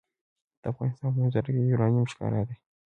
د افغانستان په منظره کې یورانیم ښکاره ده.